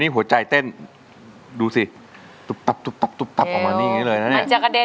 เป็นเรื่องเวลาโอ้นี้หัวใจเต้น